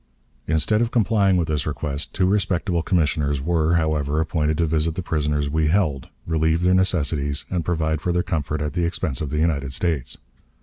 Instead of complying with this request, two respectable commissioners were, however, appointed to visit the prisoners we held, relieve their necessities, and provide for their comfort at the expense of the United States.